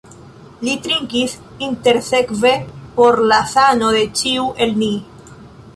Li trinkis intersekve por la sano de ĉiu el ni.